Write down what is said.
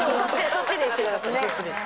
そっちにしてください。